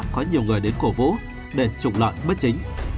có nhiều người đến cổ vũ để trục lợi bất chính